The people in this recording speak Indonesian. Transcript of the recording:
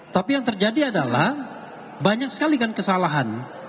tapi yang terjadi adalah banyak sekali kan kesalahan